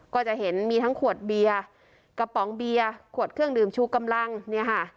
ก็จะเห็นมีทั้งขวดเบียร์กระป๋องเบียร์ขวดเครื่องดื่มชูกำลังเนี่ยค่ะ